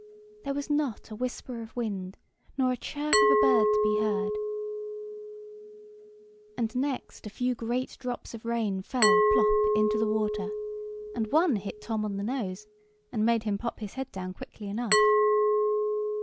There was not a whisper of wind, nor a chirp of a bird to be heard; and next a few great drops of rain fell plop into the water, and one hit Tom on the nose, and made him pop his head down quickly enough.